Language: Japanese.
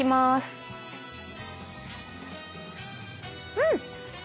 うん！